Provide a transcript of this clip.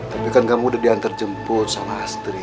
tapi kan kamu udah diantar jemput sama istri